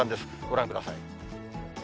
ご覧ください。